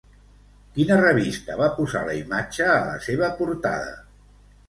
Quina revista va posar la imatge a la seva portada?